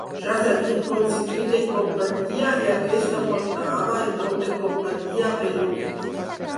Ja s’havien constituït en companyia i aquesta portava el nom de Companyia Belluguet.